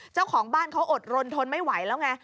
เจ้าของบ้านเขาอดรนทนไม่ไหวแล้วไง